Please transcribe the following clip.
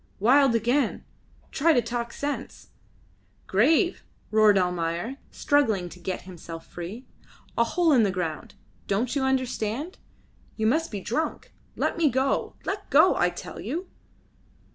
Wild again! Try to talk sense." "Grave!" roared Almayer, struggling to get himself free. "A hole in the ground. Don't you understand? You must be drunk. Let me go! Let go, I tell you!"